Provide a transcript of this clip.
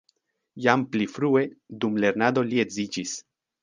Jam pli frue dum lernado li edziĝis.